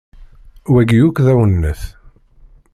Wagi yak d awennet.